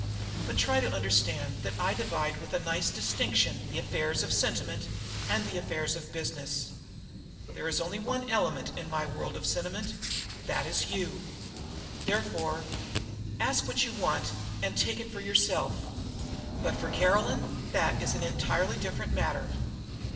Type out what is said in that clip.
But try to understand that I divide with a nice distinction the affairs of sentiment and the affairs of business. There is only one element in my world of sentiment that is you. Therefore, ask what you want and take it for yourself; but for Caroline, that is an entirely different matter.